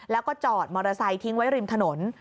แล้วก็จอดมอเตอร์ไซค์ทิ้งไว้ริมถนน